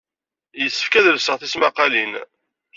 Yessefk ad lseɣ tismaqqalin.